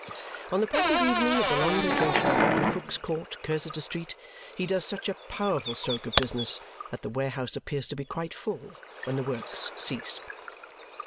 On the present evening of the long vacation, in Cook's Court, Cursitor Street, he does such a powerful stroke of business that the warehouse appears to be quite full when the works cease.